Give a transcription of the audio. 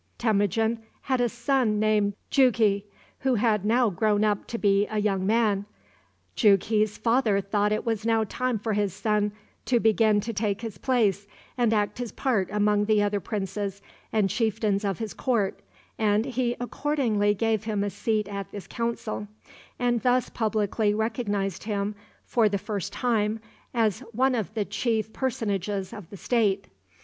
Temujin had a son named Jughi, who had now grown up to be a young man. Jughi's father thought it was now time for his son to begin to take his place and act his part among the other princes and chieftains of his court, and he accordingly gave him a seat at this council, and thus publicly recognized him, for the first time, as one of the chief personages of the state.